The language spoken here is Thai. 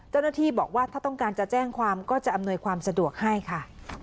เจ้าหน้าที่บอกว่าถ้าต้องการจะแจ้งความก็จะอำนวยความสะดวกให้ค่ะ